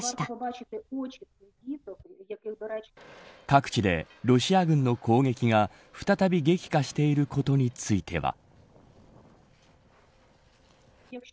各地でロシア軍の攻撃が再び激化していることについては。